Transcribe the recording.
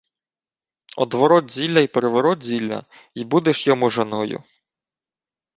— Одворот-зілля й приворот-зілля, й будеш йому жоною.